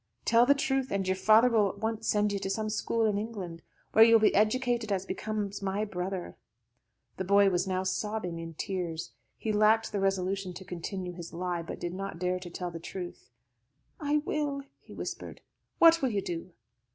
Tell the truth, and your father will at once send you to some school in England, where you will be educated as becomes my brother." The boy now was sobbing in tears. He lacked the resolution to continue his lie, but did not dare to tell the truth. "I will," he whispered. "What will you do?"